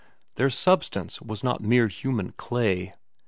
Their substance was not mere human clay.